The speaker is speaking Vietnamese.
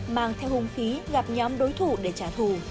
mang theo hung khí gặp nhóm đối thủ để trả thù